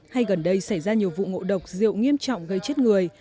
hay gần đây xảy ra nhiều vụ ngộ độc rượu nghiêm trọng gây chết người